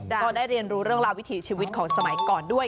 ก็ได้เรียนรู้เรื่องราววิถีชีวิตของสมัยก่อนด้วย